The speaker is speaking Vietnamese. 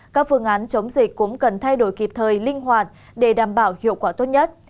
các phương án chống dịch cũng cần thay đổi kịp thời linh hoạt để đảm bảo hiệu quả tốt nhất